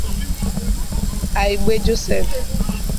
Aigbe Joseph